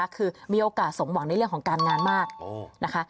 คือมีโอกาสสมหวังในเรื่องของการงานมากนะคะ